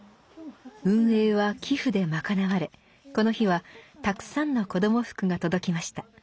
運営は寄付で賄われこの日はたくさんの子供服が届きました。